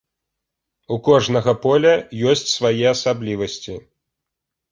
У кожнага поля ёсць свае асаблівасці.